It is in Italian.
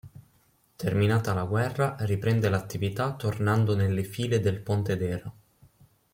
Terminata la guerra, riprende l'attività tornando nelle file del Pontedera.